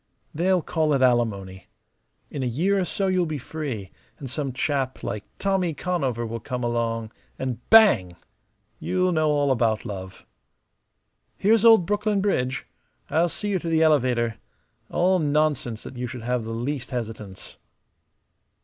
They'll call it alimony. In a year or so you'll be free; and some chap like Tommy Conover will come along, and bang! You'll know all about love. Here's old Brooklyn Bridge. I'll see you to the elevator. All nonsense that you should have the least hesitance."